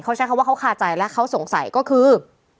เขาใช้คำว่าเขาคาใจและเขาสงสัยก็คือ